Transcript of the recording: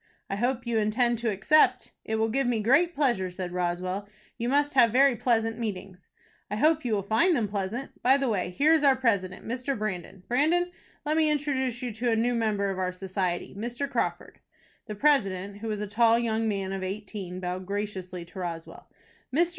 "I hope you intend to accept." "It will give me great pleasure," said Roswell. "You must have very pleasant meetings." "I hope you will find them pleasant. By the way, here is our president, Mr. Brandon. Brandon, let me introduce you to a new member of our society, Mr. Crawford." The president, who was a tall young man of eighteen, bowed graciously to Roswell. "Mr.